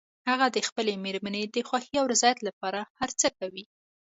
هغه د خپلې مېرمنې د خوښې او رضایت لپاره هر څه کوي